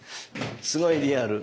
すごいリアル！